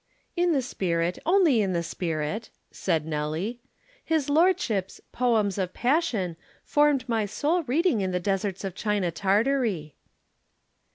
"In the spirit, only in the spirit," said Nelly. "His lordship's 'Poems of Passion' formed my sole reading in the deserts of China Tartary."